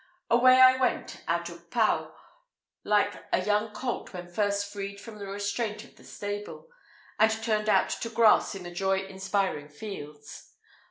Away I went out of Pau, like a young colt when first freed from the restraint of the stable, and turned out to grass in the joy inspiring fields.